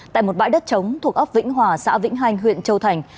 tại một bãi đất trống thuộc ấp vĩnh hòa xã vĩnh hành huyện châu thành